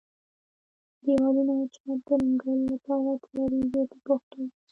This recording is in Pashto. دېوالونه او چت د رنګولو لپاره تیاریږي په پښتو ژبه.